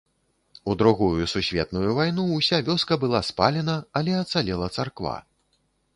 У другую сусветную вайну ўся вёска была спалена, але ацалела царква.